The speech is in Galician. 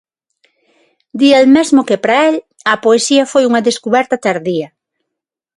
Di el mesmo que, para el, a poesía foi unha descuberta tardía.